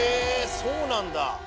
そうなんだ。